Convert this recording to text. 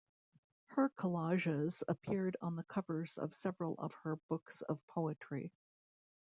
Her collages appeared on the covers of several of her books of poetry.